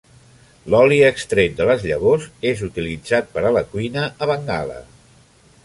L'oli extret de les llavors és utilitzat per a la cuina a Bengala.